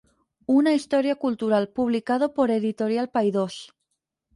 Una historia cultural", publicado por editorial Paidós.